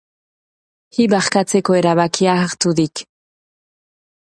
Hi barkatzeko erabakia hartu dik.